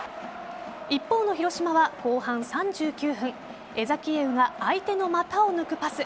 一方の広島は後半３９分エザキエウが相手の股を抜くパス。